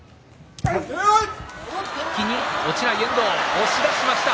押し出しました。